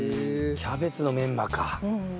キャベツのメンマか。